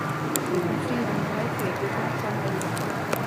Le conflit est donc bref et les deux camps clament la victoire.